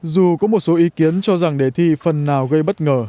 dù có một số ý kiến cho rằng đề thi phần nào gây bất ngờ